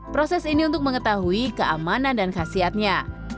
proses ini untuk mengetahui keamanan dan khasiatnya